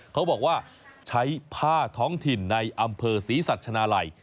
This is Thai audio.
เขาบอกว่าใช้ผ้าท้องถิ่นในอำเภอศรีสัชนาลัย